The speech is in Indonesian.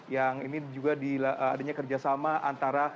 yang ini juga adanya kerjasama antara